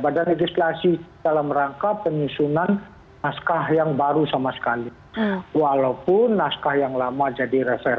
badan legislasi dalam rangka penyusunan naskah yang baru sama sekali walaupun naskah yang lama jadi refer